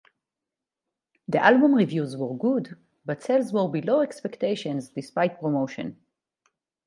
The album reviews were good, but sales were below expectations despite promotion.